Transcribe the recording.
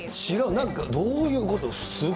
なんか、どういうこと？